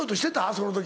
その時。